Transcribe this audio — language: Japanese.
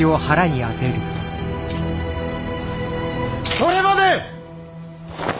・それまで！